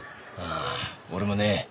ああ俺もね